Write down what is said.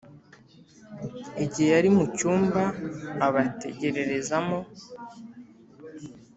Igihe yari mu cyumba bategererezamo